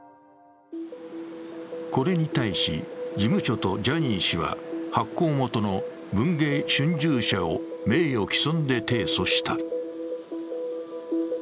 これに対し、事務所とジャニーズ氏は発行元の文藝春秋社を名誉毀損で提訴した。